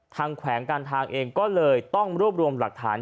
แขวงการทางเองก็เลยต้องรวบรวมหลักฐาน